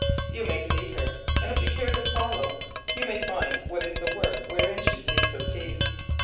You may see her, and if you care to follow you may find what is the work wherein she seeks her peace.